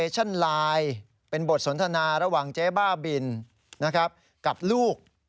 เจ๊บ้าบินกับลูก